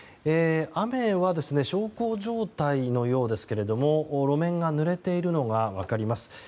雨は小康状態のようですけども路面がぬれているのが分かります。